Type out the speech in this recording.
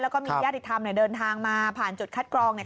แล้วก็มีญาติธรรมเดินทางมาผ่านจุดคัดกรอง